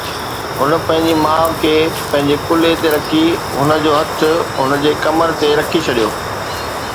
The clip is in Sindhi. هن پنهنجي ماءُ کي پنهنجي ڪلهي تي رکي، هن جو هٿ هن جي کمر تي رکي ڇڏيو